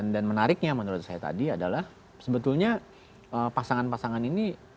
dan menariknya menurut saya tadi adalah sebetulnya pasangan pasangan ini